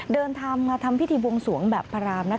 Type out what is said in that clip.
เดินทางมาทำพิธีบวงสวงแบบพระราม